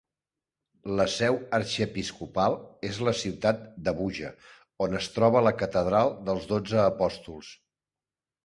La seu arxiepiscopal és la ciutat d'Abuja, on es troba la catedral dels Dotze Apòstols.